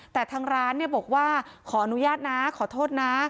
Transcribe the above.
แต่ทางร้านบอกว่าขออนุญาตนะขอโทษนะ